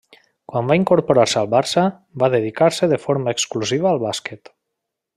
Quan va incorporar-se al Barça, va dedicar-se de forma exclusiva al bàsquet.